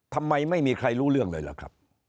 ทำไมไม่มีใครรู้เรื่องเลยล่ะครับ